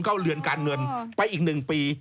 ก้าวเลือนการเงินไปอีกหนึ่งปี